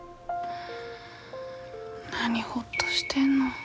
何ほっとしてんの。